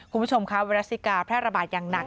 คุณผู้ชมค่ะเวรัสซิกาแพร่ระบาดอย่างหนัก